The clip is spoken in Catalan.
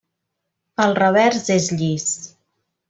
El revers és llis.